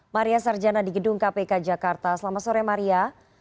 maria sarjana di gedung kpk jakarta selamat sore maria